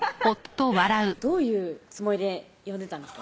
どういうつもりで呼んでたんですか？